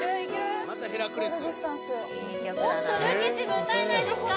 おっとルーキーチーム歌えないですか？